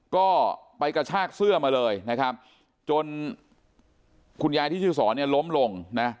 ก็ไปกระชากเสื้อมาเลยนะครับจนคุณยายที่ชื่อสอนเนี่ยล้มลงนะ